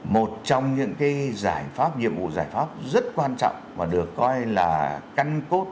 một trong những cái giải pháp nhiệm vụ giải pháp rất quan trọng mà được coi là căn cốt